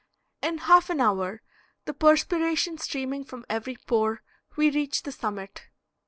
In half an hour, the perspiration streaming from every pore, we reach the summit.